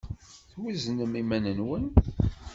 Tweznem iman-nwen?